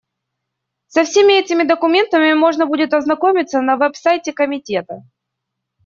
Со всеми этими документами можно будет ознакомиться на веб-сайте Комитета.